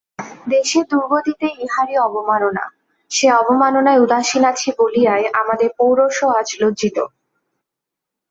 দেশের দুর্গতিতে ইঁহারই অবমাননা, সেই অবমাননায় উদাসীন আছি বলিয়াই আমাদের পৌরুষও আজ লজ্জিত।